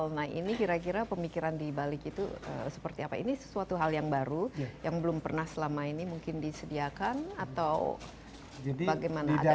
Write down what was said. nah ini kira kira pemikiran di balik itu seperti apa ini sesuatu hal yang baru yang belum pernah selama ini mungkin disediakan atau bagaimana ada